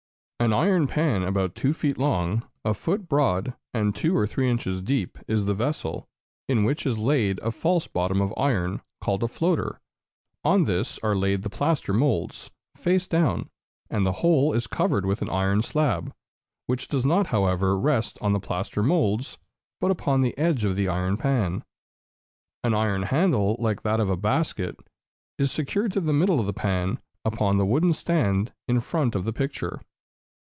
An iron pan about two feet long, a foot broad, and two or three inches deep, is the vessel, in which is laid a false bottom of iron, called a floater; on this are laid the plaster moulds, face down, and the whole is covered with an iron slab, which does not, however, rest on the plaster moulds, but upon the edge of the iron pan. An iron handle, like that of a basket, is secured to the middle of the pan upon the wooden stand in front of the picture.